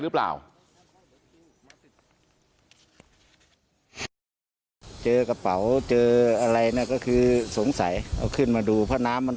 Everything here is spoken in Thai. หรือเปล่าเจอกระเป๋าเจออะไรนะก็คือสงสัยเอาขึ้นมาดูเพราะน้ำมัน